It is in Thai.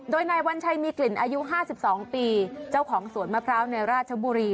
โดยนายวัญชัยมีกลิ่นอายุ๕๒ปีเจ้าของสวนมะพร้าวในราชบุรี